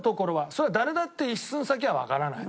それは誰だって一寸先はわからない。